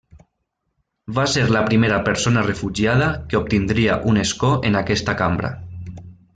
Va ser la primera persona refugiada que obtindria un escó en aquesta cambra.